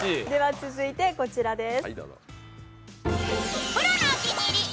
続いてこちらです。